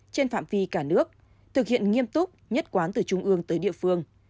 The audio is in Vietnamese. trên phạm vi cả nước thực hiện nghiêm túc nhất quán từ trung ương tới địa phương